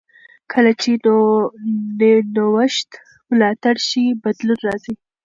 کله چې نوښت ملاتړ شي، بدلون راځي.